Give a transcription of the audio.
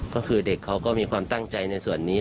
ก็คือเด็กเขาก็มีความตั้งใจในส่วนนี้